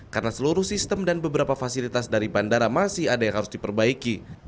karena seluruh sistem dan beberapa fasilitas dari bandara masih ada yang harus diperbaiki